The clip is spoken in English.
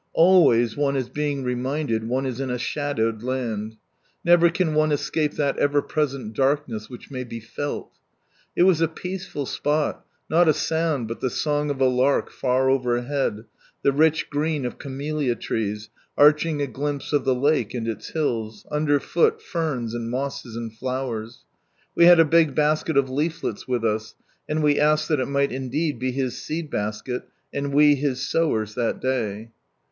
Always one is being reminded one is in a shadowed land. Never can one escape that ever present darkness which may be '^fetl." It was a peaceful spot, not a sound but the song of a lark far overhead, 30 From Sunrise Land the rich green of camellia trees, arching a glimpse of the lake and its hills, umler fooi ferns and mosses and flowers. We had a big basket of leaflets with us, and we asked thai ii might indeed be His seed basket, and we His sowers that day.